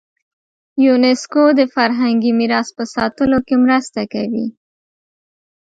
یونسکو د فرهنګي میراث په ساتلو کې مرسته کوي.